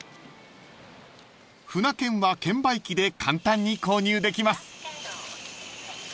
［舟券は券売機で簡単に購入できます］